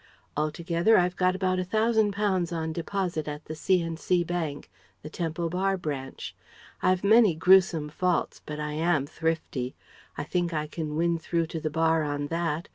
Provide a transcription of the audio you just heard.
Altogether I've got about £1,000 on deposit at the C. and C. bank, the Temple Bar branch. I've many gruesome faults, but I am thrifty. I think I can win through to the Bar on that.